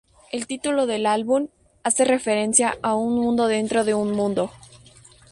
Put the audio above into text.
El título del álbum, hace referencia a "un mundo dentro de un mundo".